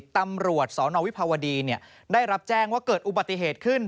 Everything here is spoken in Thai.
ตำรวจสนวิภาวดีได้รับแจ้งว่าเกิดอุบัติเหตุขึ้น